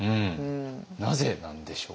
なぜなんでしょう？